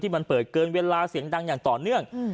มันเปิดเกินเวลาเสียงดังอย่างต่อเนื่อง